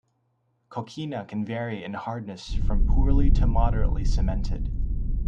Coquina can vary in hardness from poorly to moderately cemented.